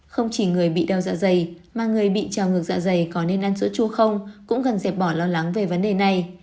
không chỉ người bị đau dạ dày mà người bị trào ngược dạ dày có nên ăn sữa chua không cũng cần dẹp bỏ lo lắng về vấn đề này